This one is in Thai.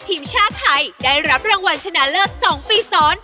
ทีมชาติไทยได้รับรางวัลชนะเลิศ๒ปีซ้อน